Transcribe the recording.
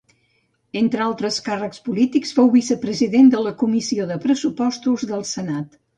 Entre altres càrrecs polítics fou vicepresident de la comissió de pressuposts del Senat.